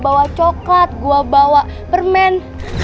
bawa coklat gua bawa permen